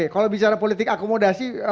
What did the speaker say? kalau bicara politik akomodasi